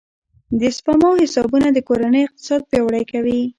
د سپما حسابونه د کورنۍ اقتصاد پیاوړی کوي.